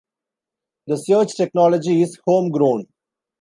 The search technology is home grown.